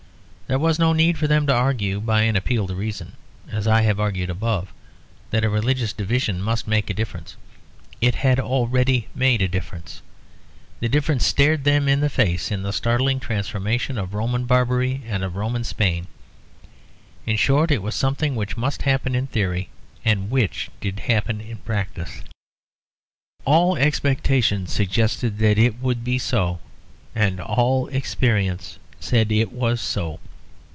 There was no need for them to argue by an appeal to reason, as I have argued above, that a religious division must make a difference; it had already made a difference. The difference stared them in the face in the startling transformation of Roman Barbary and of Roman Spain. In short it was something which must happen in theory and which did happen in practice; all expectation suggested that it would be so and all experience said it was so.